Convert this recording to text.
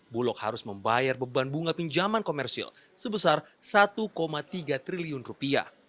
bulog harus membayar beban bunga pinjaman komersil sebesar satu tiga triliun rupiah